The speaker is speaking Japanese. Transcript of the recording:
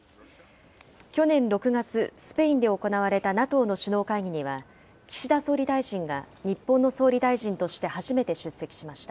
去年６月、スペインで行われたＮＡＴＯの首脳会議には、岸田総理大臣が、日本の総理大臣として初めて出席しました。